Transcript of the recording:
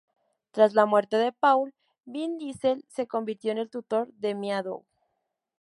Tras la muerte de Paul, Vin Diesel se convirtió en el tutor de Meadow.